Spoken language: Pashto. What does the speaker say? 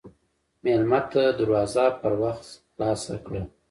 مېلمه ته دروازه پر وخت خلاصه کړه.